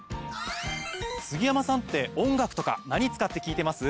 杉山さんって音楽とか何使って聞いてます？